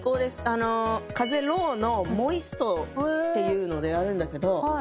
あの風ＬＯＷのモイストっていうのでやるんだけど。